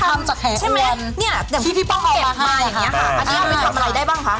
อันนี้คุณทำอะไรได้บ้างคะ